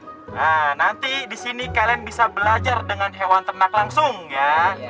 nah nanti di sini kalian bisa belajar dengan hewan ternak langsung ya